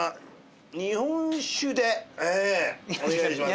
ええお願いします。